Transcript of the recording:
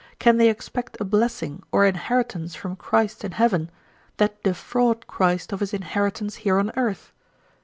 can they expect a blessing or inheritance from Christ in heaven, that defraud Christ of his inheritance here on earth?